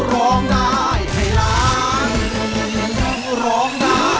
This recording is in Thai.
ร้องได้ให้ร้าง